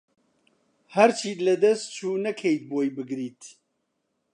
هەرچیت لەدەست چو نەکەیت بۆی بگریت